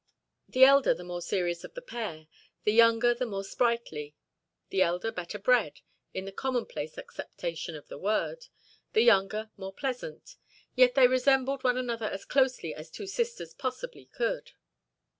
The elder the more serious of the pair, the younger the more sprightly, the elder better bred, in the common place acceptation of the word, the younger more pleasant, they yet resembled one another as closely as two sisters possibly could.